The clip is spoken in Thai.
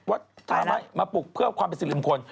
วัดท่าม้ายมาปลูกเพื่อไปสินลิมคล